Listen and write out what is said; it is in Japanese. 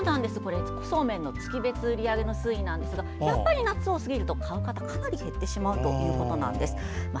そうめんの月別売り上げの推移なんですが夏を過ぎるとかなり減ってしまうということなんです。